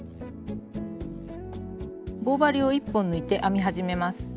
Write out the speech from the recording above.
棒針を１本抜いて編み始めます。